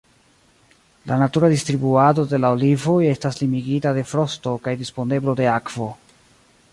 La natura distribuado de la olivoj estas limigita de frosto kaj disponeblo de akvo.